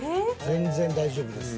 全然大丈夫です。